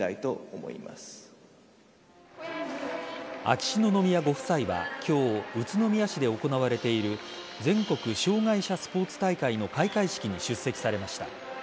秋篠宮ご夫妻は今日宇都宮市で行われている全国障害者スポーツ大会の開会式に出席されました。